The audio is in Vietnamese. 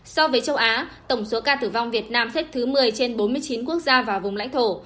so với châu á tổng số ca tử vong việt nam xếp thứ một mươi trên bốn mươi chín quốc gia và vùng lãnh thổ